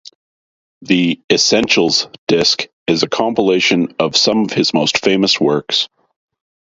The "Essentials" disc is a compilation of some of his most famous works.